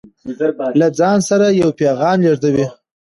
له ځان سره يو پيغام لېږدوي